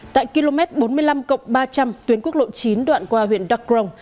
tại km bốn mươi năm cộng ba trăm linh tuyến quốc lộ chín đoạn qua huyện đặc rồng